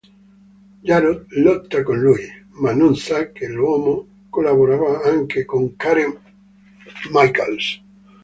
Jarod lotta con lui, ma non sa che l'uomo collaborava anche con Karen Michaels.